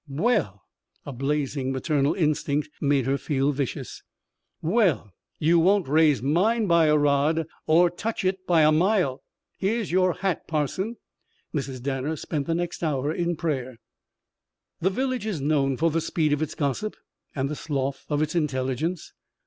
"Well " a blazing maternal instinct made her feel vicious. "Well you won't raise mine by a rod. Or touch it by a mile. Here's your hat, parson." Mrs. Danner spent the next hour in prayer. The village is known for the speed of its gossip and the sloth of its intelligence.